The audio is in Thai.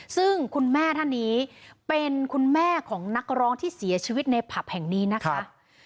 ซึ่งคุณแม่ท่านนี้เป็นคุณแม่ของนักร้องที่เสียชีวิตในผับแห่งนี้นะคะ